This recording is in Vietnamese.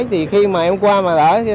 thì khi mà em qua mà là